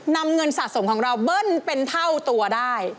นำเงินสะสมของเราเบิ้ลเป็นเท่าตัวได้